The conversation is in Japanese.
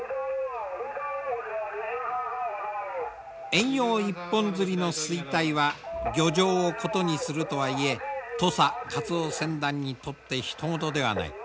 遠洋一本づりの衰退は漁場を異にするとはいえ土佐カツオ船団にとってひと事ではない。